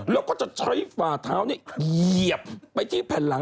แล้วก็จะใช้ฝ่าเท้าเหยียบไปที่แผ่นหลัง